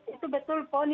itu betul pon ini